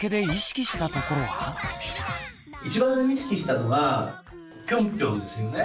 一番意識したのはピョンピョンですよね？